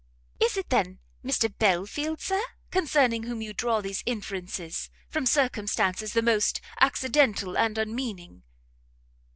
"Is it, then, Mr Belfield, Sir, concerning whom you draw these inferences, from circumstances the most accidental and unmeaning?"